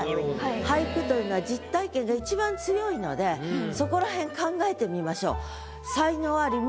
俳句というのは実体験がいちばん強いのでそこらへん考えてみましょう。